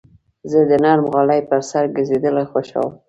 زه د نرم غالۍ پر سر ګرځېدل خوښوم.